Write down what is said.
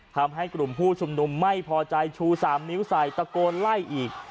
ทำให้กลุ่มผู้ชุมนุมไม่พอใจชู๓นิ้วใส่ตะโกนไล่อีก